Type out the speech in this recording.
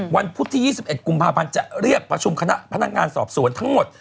พุธที่๒๑กุมภาพันธ์จะเรียกประชุมคณะพนักงานสอบสวนทั้งหมด